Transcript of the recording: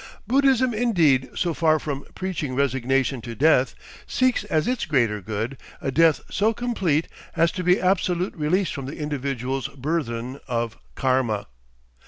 Buddhism indeed so far from "preaching resignation" to death, seeks as its greater good a death so complete as to be absolute release from the individual's burthen of KARMA.